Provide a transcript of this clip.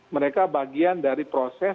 mereka bagian dari proses